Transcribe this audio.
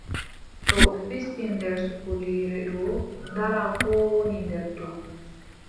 Ɗo fisti nder sokoliire ɗo ndaara ko woni nder ton.